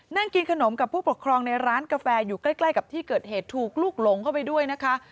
นั่งกินขนมกับผู้ปกครองในร้านกาแฟอยู่ใกล้กับที่เกิดเหตุถูกลูกหลงเข้าไปด้วยนะคะ